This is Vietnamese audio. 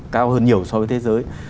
cao hơn nhiều so với thế giới